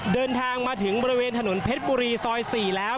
เดินทางมาถึงบริเวณถนนเพชรบุรีซอย๔แล้ว